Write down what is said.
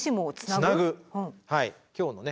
今日のね